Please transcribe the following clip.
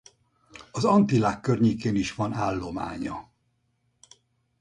Az Antillák környékén is van állománya.